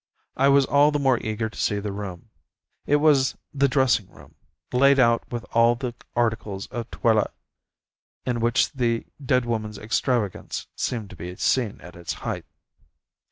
I was all the more eager to see the room. It was the dressing room, laid out with all the articles of toilet, in which the dead woman's extravagance seemed to be seen at its height.